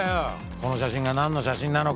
この写真が何の写真なのか。